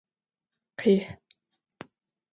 Къихь!